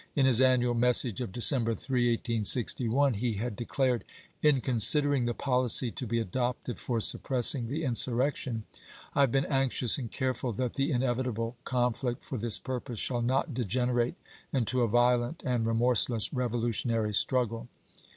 In his annual message of December 3, 1861, he had declared :" In considering the policy to be adopted for suppressing the insurrection, I have been anxious and careful that the inevitable conflict for this purpose shall not degenerate into a violent and remorseless revolutionary struggle."